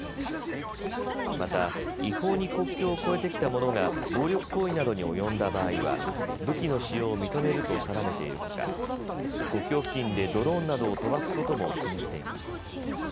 また違法に国境を越えてきた者が暴力行為などに及んだ場合は武器の使用を認めると定めているほか国境付近でドローンなどを飛ばすことも禁じています。